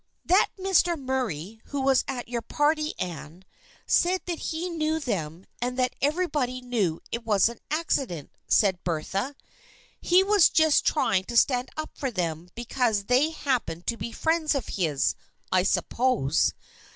" That Mr. Murray who was at your party, Anne, said that he knew them and that everybody knew it was an accident," said Bertha. " He was just trying to stand up for them because they happened to be friends of his, I suppose.